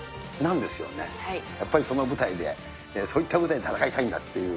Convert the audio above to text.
やっぱりその舞台で、そういった舞台で戦いたいんだっていう、